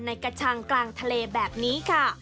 กระชังกลางทะเลแบบนี้ค่ะ